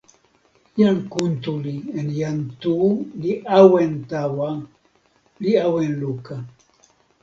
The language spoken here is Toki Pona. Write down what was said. jan Kuntuli en jan Tu li awen tawa, li awen luka.